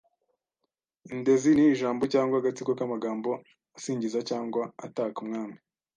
Indezi ni ijambo cyangwa agatsiko k’amagambo asingiza cyangwa ataka umwami